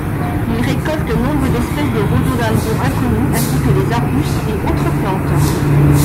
Il récolte nombre d'espèces de rhododendrons inconnues ainsi que des arbustes et autres plantes.